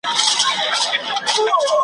غرونه د طبیعت ځواک ښيي.